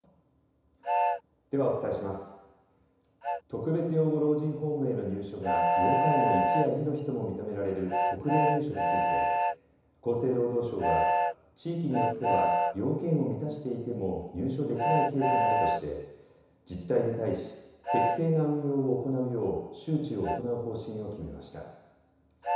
特別養護老人ホームへの入所が要介護１や２の人も認められる特例入所について厚生労働省は地域によっては要件を満たしていても入所できないケースがあるとして自治体に対し適正な運用を行うよう周知を行う方針を決めました。